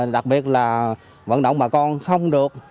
đặc biệt là vận động bà con không được